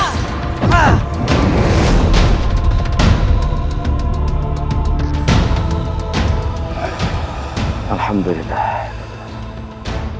sekarang kamu sudah sempuh